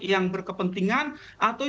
yang berkepentingan atau